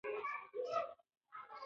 وختي تشخیص درملنه اسانه کوي.